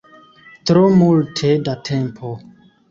Tro multe da tempo.